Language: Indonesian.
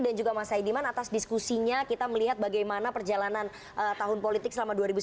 juga mas saidiman atas diskusinya kita melihat bagaimana perjalanan tahun politik selama dua ribu sembilan belas